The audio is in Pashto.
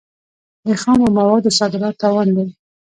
د خامو موادو صادرات تاوان دی.